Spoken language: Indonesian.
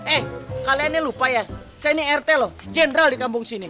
eh kalian ini lupa ya saya ini rt loh jenderal di kampung sini